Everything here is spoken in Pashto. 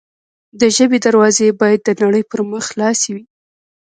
د ژبې دروازې باید د نړۍ پر مخ خلاصې وي.